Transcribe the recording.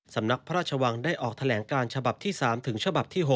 สำนักพระราชวังได้ออกแถลงการชบ๓ถึงชบ๖